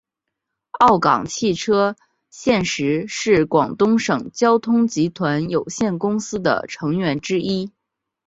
粤港汽车现时是广东省交通集团有限公司的成员之一。